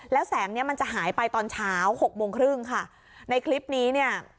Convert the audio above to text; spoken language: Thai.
แล้วแสงเนี้ยมันจะหายไปตอนเช้าหกโมงครึ่งค่ะในคลิปนี้เนี่ย